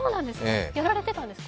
やられてたんですか？